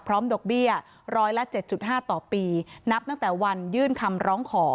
พร้อมดกเบี้ยร้อยละเจ็ดจุดห้าต่อปีนับตั้งแต่วันยื่นคำร้องขอ